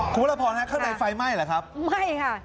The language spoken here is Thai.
ครูระพรครับเข้าในไฟไหม้หรือครับไม่ค่ะ